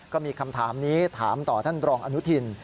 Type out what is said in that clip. ก็มีคำถามนี้ถามต่อท่านรองอนุทิน